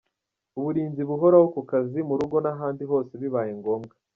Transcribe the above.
Uburinzi buhoraho ku kazi, mu rugo n’ahandi hose bibaye ngombwa;.